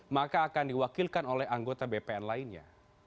maka akan diwakilkan oleh anggota bpn lainnya